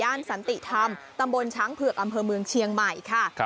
สันติธรรมตำบลช้างเผือกอำเภอเมืองเชียงใหม่ค่ะ